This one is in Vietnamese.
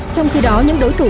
trong khi đó những đối thủ